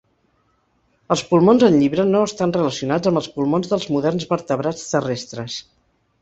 Els pulmons en llibre no estan relacionats amb els pulmons dels moderns vertebrats terrestres.